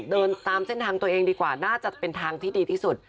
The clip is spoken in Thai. เดินตามเส้นทางตัวเองดีกว่าน่าจะเป็นทางที่ดีที่สุด